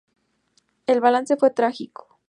El balance fue trágico.